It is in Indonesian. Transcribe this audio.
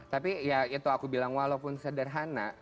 tapi ya itu aku bilang walaupun sederhana